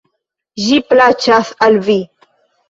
Ĝi plaĉas al vi!